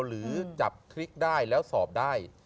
หรือจับคลิกได้แล้วสอบได้